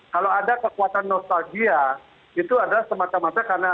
kalau ada kekuatan nostalgia itu adalah semacam samanya karena